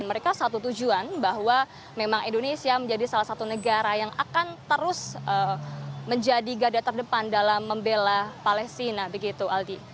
mereka satu tujuan bahwa memang indonesia menjadi salah satu negara yang akan terus menjadi gada terdepan dalam membela palestina begitu aldi